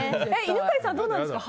犬飼さん、どうなんですか。